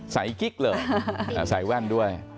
กิ๊กเลยใส่แว่นด้วย